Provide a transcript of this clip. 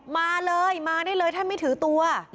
มาเลยมาได้เลยท่านไม่ถือตัว